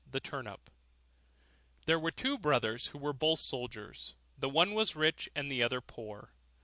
THE TURNIP There were two brothers who were both soldiers; the one was rich and the other poor.